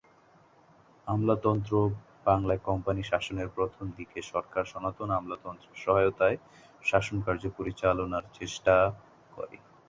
আমলাতন্ত্র বাংলায় কোম্পানি শাসনের প্রথমদিকে সরকার সনাতন আমলাতন্ত্রের সহায়তায় শাসনকার্য পরিচালনার চেষ্টা করে।